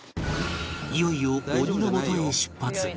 いよいよ鬼のもとへ出発